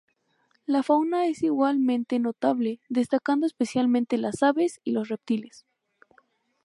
La fauna es igualmente notable, destacando especialmente las aves y los reptiles.